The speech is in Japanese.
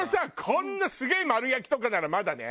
こんなすげえ丸焼きとかならまだね